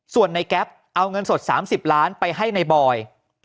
ส่วนในแก๊ปเอาเงินสด๓๐ล้านไปให้ในบอย